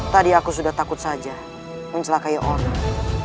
tadi aku sudah takut saja mencelakai orang